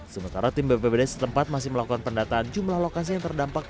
sementara tim bppd setempat masih melakukan pendataan jumlah lokasi yang terdampak